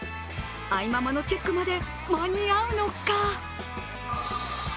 愛ママのチェックまで間に合うのか？